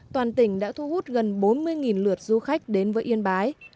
toàn tỉnh đã thu hút gần bốn mươi lượt du khách đến với yên bái